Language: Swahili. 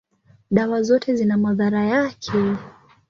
dawa zote zina madhara yake.